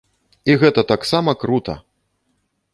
І гэта таксама крута!